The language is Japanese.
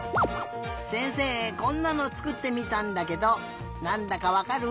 せんせいこんなのつくってみたんだけどなんだかわかる？